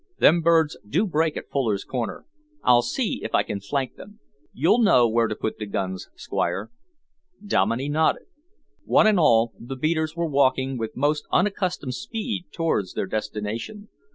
"Them birds do break at Fuller's corner. I'll see if I can flank them. You'll know where to put the guns, Squire." Dominey nodded. One and all the beaters were walking with most unaccustomed speed towards their destination.